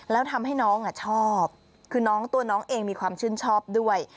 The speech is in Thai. แล้วทำให้น้องชอบคือน้องตัวน้องเองมีความชื่นชอบด้วย